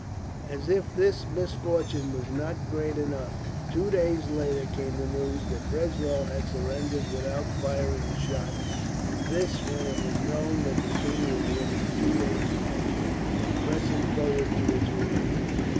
As if this misfortune was not great enough, two days later came the news that Breslau had surrendered without firing a shot; and this when it was known that the king was within two days' march, and pressing forward to its relief.